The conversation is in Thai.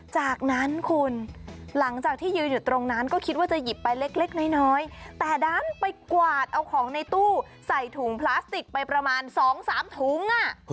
จากนั้นคุณหลังจากที่ยืนอยู่ตรงนั้นก็คิดว่าจะหยิบไปเล็กน้อยแต่ดันไปกวาดเอาของในตู้ใส่ถุงพลาสติกไปประมาณ๒๓ถุง